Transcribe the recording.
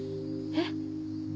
えっ？